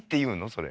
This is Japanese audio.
それ。